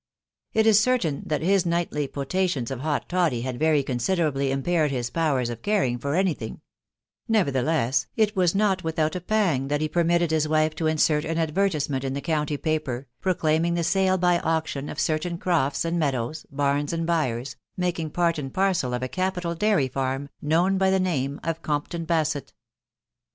It is certain that his nightly potations of hot toddy had very considerably impaired his powers of caring for any thing; nevertheless, it was not without a pang that he permitted his wife to insert an advertisement m \2ca <&>&&&) paper, proclaiming the sale by auction o£ ceitem ctdlx* «^ meadows, burns and byres, making part and \>arte\ <&* «Kg dairy farm, known by the name of Comytm ^aaeXU 96 THK WIDOW BARN AST.